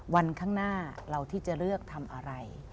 วันข้างหน้าเราที่จะเลือกทำอะไร